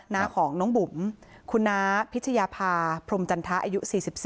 น้าของน้องบุ๋มคุณน้าพิชยาภาพรมจันทะอายุ๔๔